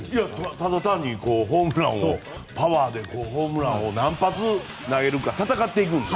ただ単にホームランをパワーで何発投げるか戦っていくんです。